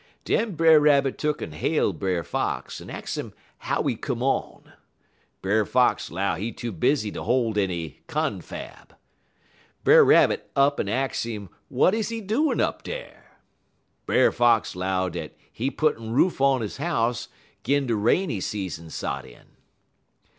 "Den Brer Rabbit tuck'n hail Brer Fox, en ax 'im how he come on. Brer Fox 'low he too busy to hol' any confab. Brer Rabbit up en ax 'im w'at is he doin 'up dar. Brer Fox 'low dat he puttin' roof on he house 'g'in de rainy season sot in.